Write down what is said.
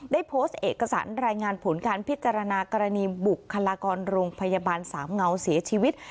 ได้โพสต์เอกสารรายงานผลการพิจารณากรณีบุคลากรโรงพยาบาลสามเงาเสียชีวิต